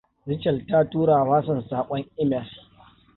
Rachel ta turawa Hassan sakon email.